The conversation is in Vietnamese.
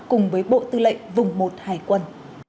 cùng với bộ tư lệnh vùng một hải quân